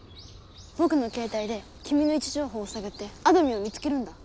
ぼくの携帯できみの位置情報をさぐってあどミンを見つけるんだ。